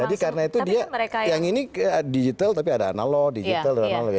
jadi karena itu dia yang ini digital tapi ada analog digital digital